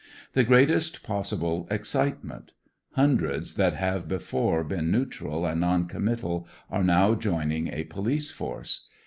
The greatest possible excitement. Hundreds that have before been neutral and non commital are now joining a police force.